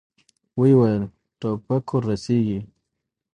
ويې ويل: ټوپک ور رسېږي!